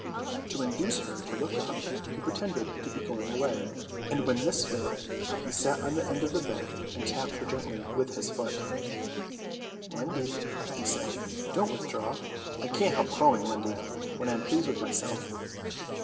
To induce her to look up he pretended to be going away, and when this failed he sat on the end of the bed and tapped her gently with his foot. "Wendy," he said, "don't withdraw. I can't help crowing, Wendy, when I'm pleased with myself."